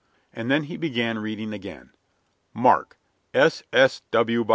And then he began reading again: "'Mark S.